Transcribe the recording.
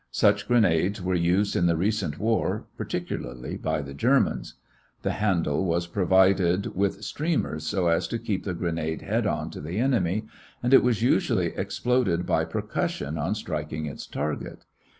Such grenades were used in the recent war, particularly by the Germans. The handle was provided with streamers so as to keep the grenade head on to the enemy, and it was usually exploded by percussion on striking its target.